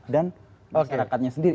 dan masyarakatnya sendiri